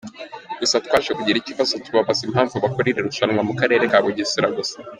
Gusa twaje kugira ikibazo tubabaza impamvu bakora iri rushanwa mu karere ka Bugesera gusa.